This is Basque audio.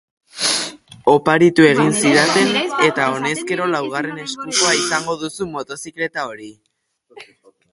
Oparitu egin zidaten, eta honezkero laugarren eskukoa izango duzu motozikleta hori.